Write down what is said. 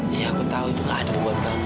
ya aku tau itu gak adil buat kamu